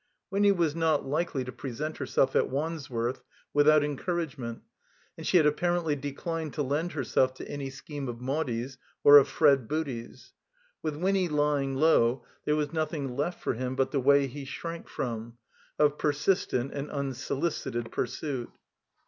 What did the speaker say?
Winny was not likely present her self at Wandsworth without encourageiilent, and she had apparently declined to lend herself to any scheme of Maudie's or of Fred Booty's. With Winny lying low there was nothing left for him but the way he shrank from, of persistent and tmsoli cited pursuit.